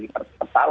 pertalite dan soal